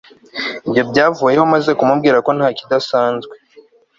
ibyo byavuyeho maze kumubwira ko ntakidasananzwe